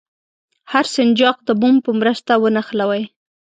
هر سنجاق د موم په مرسته ونښلوئ.